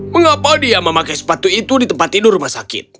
mengapa dia memakai sepatu itu di tempat tidur rumah sakit